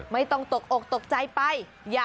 ไม่ต้องตกอกตกใจไป